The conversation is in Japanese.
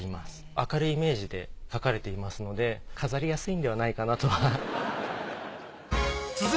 明るいイメージで描かれていますので飾りやすいのではないかなとは。